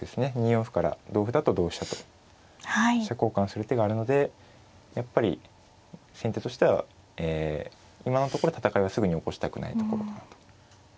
２四歩から同歩だと同飛車と飛車交換する手があるのでやっぱり先手としては今のところ戦いはすぐに起こしたくないところかなと。